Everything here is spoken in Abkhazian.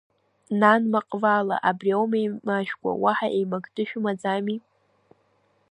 Нан, Маҟвала, абри аума еимашәкуа, уаҳа еимактәы шәымаӡами?